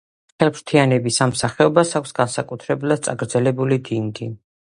ხელფრთიანების ამ სახეობას აქვს განსაკუთრებულად წაგრძელებული დინგი.